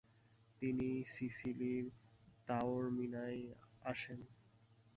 তিনি সিসিলির তাওরমিনায় আসেন।